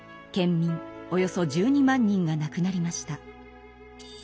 およそ１２万人が亡くなりました。